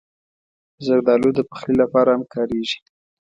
زردالو د پخلي لپاره هم کارېږي.